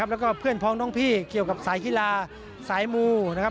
แล้วก็เพื่อนพร้องน้องพี่เขียวกับสายกีฬาสายมู